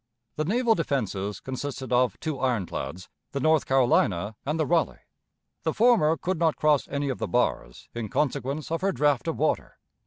The naval defenses consisted of two ironclads, the North Carolina and the Raleigh. The former could not cross any of the bars in consequence of her draught of water.